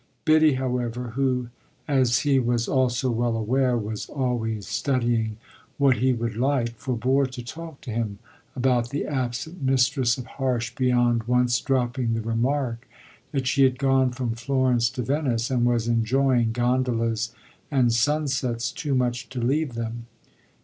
Biddy, however, who, as he was also well aware, was always studying what he would like, forbore to talk to him about the absent mistress of Harsh beyond once dropping the remark that she had gone from Florence to Venice and was enjoying gondolas and sunsets too much to leave them.